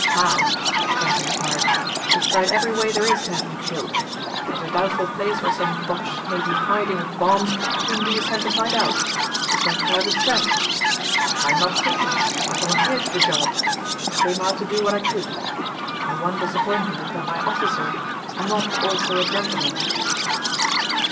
"How?" Trent inquired. "You've tried every way there is to have me killed. If there's a doubtful place where some boches may be hiding with bombs whom do you send to find out? You send Private Trent. I'm not kicking. I volunteered for the job. I came out to do what I could. My one disappointment is that my officer is not also a gentleman."